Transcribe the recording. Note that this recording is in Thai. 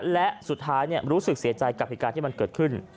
และสุดท้ายเนี่ยรู้สึกเสียใจกับพิการที่มันเกิดขึ้น